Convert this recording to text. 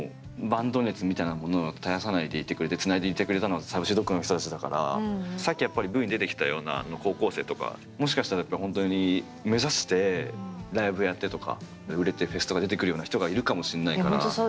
バンド熱みたいなものを絶やさないでいてくれてつないでいてくれたのはＳａｕｃｙＤｏｇの人たちだからさっきやっぱりＶに出てきたような高校生とかもしかしたらやっぱりほんとに目指してライブやってとか売れてフェスとか出てくるような人がいるかもしんないから。